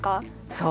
そう。